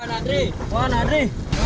wah nadri wah nadri